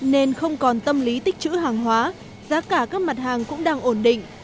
nên không còn tâm lý tích chữ hàng hóa giá cả các mặt hàng cũng đang ổn định